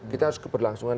kita harus keberlangsungan